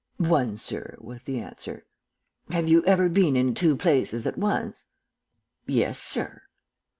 "'One, sir,' was the answer. "'Have you ever been in two places at once?' "'Yes, sir.'